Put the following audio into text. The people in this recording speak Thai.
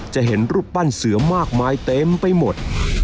จะเห็นรูปปั้นเสือมากมายเต็มไปหมด